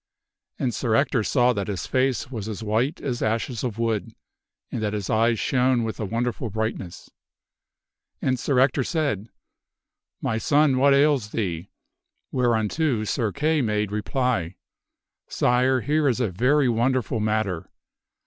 And Sir Ector saw that his face was as white as ashes of wood and that his eyes shone with a wonderful brightness. And Sir Ector said, " My son, what ails thee ?" whereunto Sir Kay made reply, " Sire, here is a very wonderful matter."